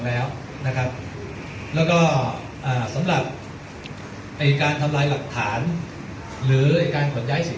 แล้วก็สำหรับการทำลายหลักฐานหรือการขนย้ายสิทธิ์